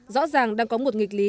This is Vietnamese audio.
rõ ràng đang có một nghịch lý